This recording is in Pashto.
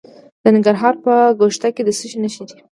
د ننګرهار په ګوشته کې د څه شي نښې دي؟